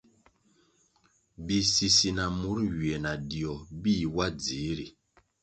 Bisisi na mur nywie na dio bih wa dzihri.